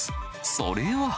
それは。